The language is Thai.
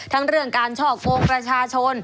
ทั้งเรื่องการชอกโกงประชาชน